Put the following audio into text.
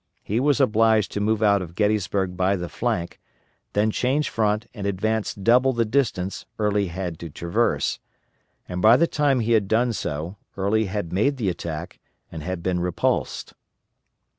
He was obliged to move out of Gettysburg by the flank, then change front and advance double the distance Early had to traverse, and by the time he had done so Early had made the attack and had been repulsed.